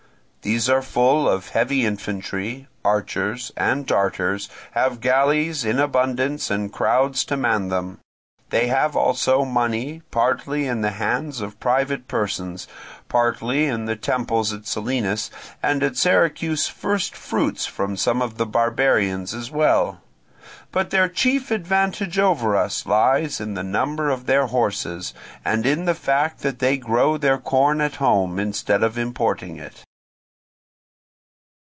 These are full of heavy infantry, archers, and darters, have galleys in abundance and crowds to man them; they have also money, partly in the hands of private persons, partly in the temples at Selinus, and at Syracuse first fruits from some of the barbarians as well. But their chief advantage over us lies in the number of their horses, and in the fact that they grow their corn at home instead of importing it.